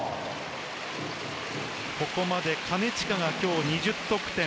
ここまで金近が今日２０得点。